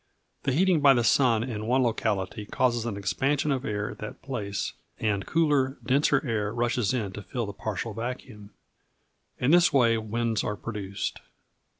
The heating by the sun in one locality causes an expansion of air at that place, and cooler, denser air rushes in to fill the partial vacuum. In this way winds are produced.